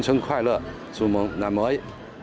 chúc mừng năm mới